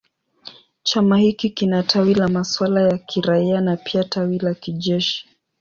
Chama hiki kina tawi la masuala ya kiraia na pia tawi la kijeshi.